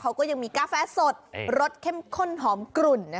เขาก็ยังมีกาแฟสดรสเข้มข้นหอมกลุ่น